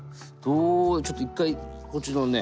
ちょっと一回こっちのね